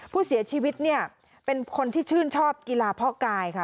ผู้เสียชีวิตเนี่ยเป็นคนที่ชื่นชอบกีฬาเพาะกายค่ะ